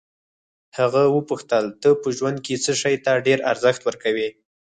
هغه وپوښتل ته په ژوند کې څه شي ته ډېر ارزښت ورکوې.